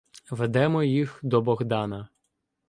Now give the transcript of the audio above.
Ведемо їх до Богдана.